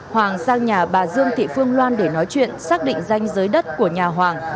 hoàng sang nhà bà dương thị phương loan để nói chuyện xác định danh giới đất của nhà hoàng